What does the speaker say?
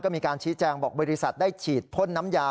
มีการชี้แจงบอกบริษัทได้ฉีดพ่นน้ำยา